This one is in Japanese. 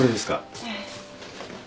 ええ。